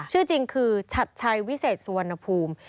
ชื่อจริงคือชัดชัยวิเศษสุวรรณภูมิ